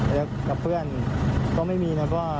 แล้วกับเพื่อนก็ไม่มีนะ